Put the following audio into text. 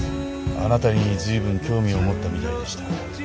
あなたに随分興味を持ったみたいでした。